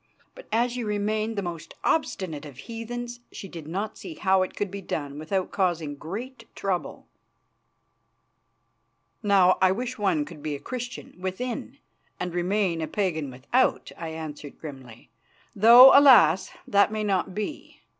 But as you remained the most obstinate of heathens she did not see how it could be done without causing great trouble." "Now I wish one could be a Christian within and remain a pagan without," I answered grimly; "though alas! that may not be.